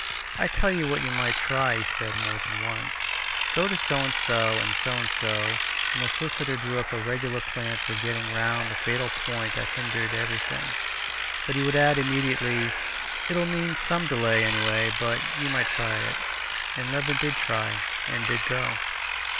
"I tell you what you might try," he said more than once; "go to so and so and so and so," and the solicitor drew up a regular plan for getting round the fatal point that hindered everything. But he would add immediately, "It'll mean some delay, anyway, but you might try it." And Levin did try, and did go.